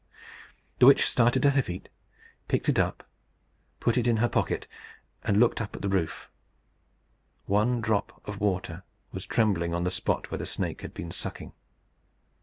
The witch started to her feet, picked it up, put it in her pocket, and looked up at the roof. One drop of water was trembling on the spot where the snake had been sucking.